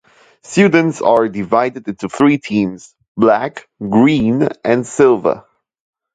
Students are divided into three teams, Black, Green, and Silver.